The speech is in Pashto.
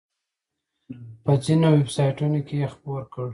په ځینو ویب سایټونو کې یې خپور کړ.